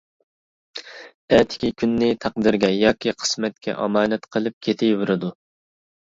ئەتىكى كۈننى تەقدىرگە ياكى قىسمەتكە ئامانەت قىلىپ كېتىۋېرىدۇ.